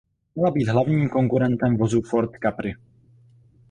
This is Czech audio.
Měla být hlavním konkurentem vozu Ford Capri.